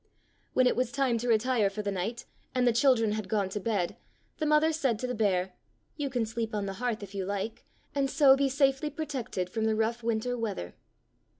When it was time to retire for the night, and the children had gone to bed, the mother said to the bear, "You can sleep on the hearth, if you like, and so be safely protected from the rough winter weather."